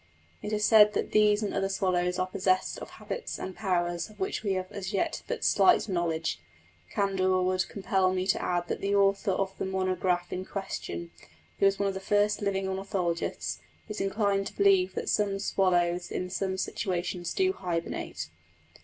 It is said that these and other swallows are possessed of habits and powers of which we have as yet but slight knowledge. Candour would compel me to add that the author of the monograph in question, who is one of the first living ornithologists, is inclined to believe that some swallows in some circumstances do hibernate.